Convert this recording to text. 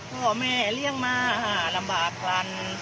พ่อแม่เลี้ยงมาลำบากกัน